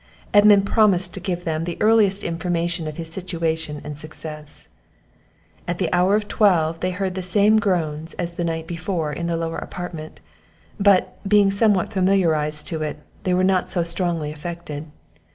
Edmund promised to give them the earliest information of his situation and success. At the hour of twelve they heard the same groans as the night before in the lower apartment; but, being somewhat familiarized to it, they were not so strongly affected.